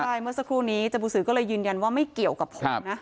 ใช่เมื่อสักครู่นี้จบูสือก็เลยยืนยันว่าไม่เกี่ยวกับผมนะ